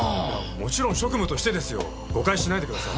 もちろん職務としてですよ。誤解しないでください。